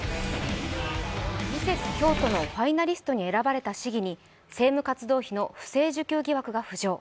ミセス京都のファイナリストに選ばれた市議に政務活動費の不正受給疑惑が浮上。